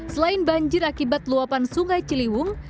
selain banjir akibat luapan sungai ciliwung